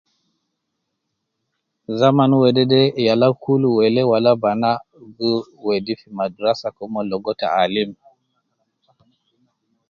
Zaman wedede yala kulu welee wala banea gi wedi fi madrasa ke mon ligo taalim.